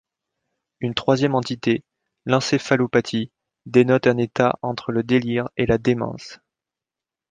Une troisième entité, l'encéphalopathie, dénote un état entre le délire et la démence.